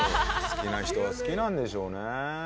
好きな人は好きなんでしょうね。